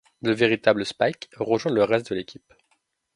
Le véritable Spike rejoint le reste de l'équipe.